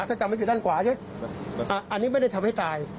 ก็จะไม่จุดด้านขวาใช่ไหมอ่าอันนี้ไม่ได้ทำให้ตาย